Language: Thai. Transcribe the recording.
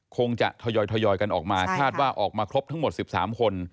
คงจะทยอยกันออกมาคาดว่าออกมาครบทั้งหมด๑๓คน